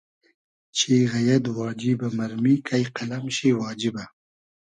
چی غئیئد واجیبۂ مئرمی کݷ قئلئم شی واجیبۂ